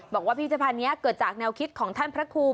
พิธภัณฑ์นี้เกิดจากแนวคิดของท่านพระครู